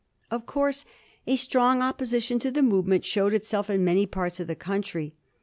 Of course a strong opposition to the movement showed itself in many parts of the country.